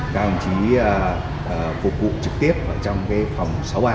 các đồng chí phục vụ trực tiếp trong phòng sáu a